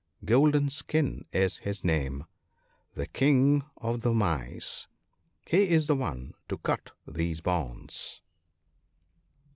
Golden skin is his name — the King of the Mice ( 2l )— he is the one to cut these bonds."